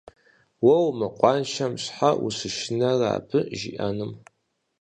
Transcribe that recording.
Уэ умыкъуаншэм щхьэ ущышынэрэ абы жиӀэнум?